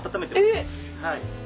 はい。